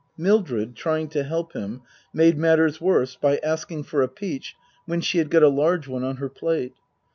Mildred, trying to help him, made matters worse by asking for a peach when she had got a large one on her plate.